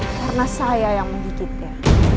karena saya yang menggigitnya